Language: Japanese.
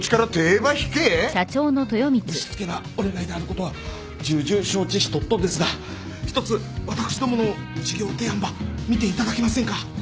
ぶしつけなお願いであることは重々承知しとっとですがひとつ私どもの事業提案ば見ていただけませんか？